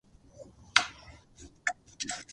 長期休暇を取ることはなかなか難しい世の中だ